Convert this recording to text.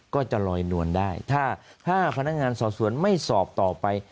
ก็จะลอยนวลได้ถ้าพนักงานสอบสวนไม่สอบต่อไป